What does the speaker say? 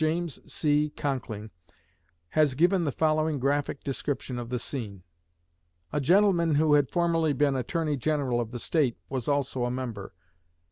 James C. Conkling has given the following graphic description of the scene: "A gentleman who had formerly been Attorney General of the State was also a member.